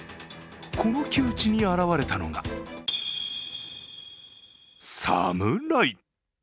この窮地に現れたのが、サムライ。